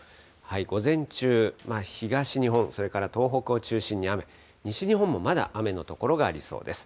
午前中、東日本、それから東北を中心に雨、西日本もまだ雨の所がありそうです。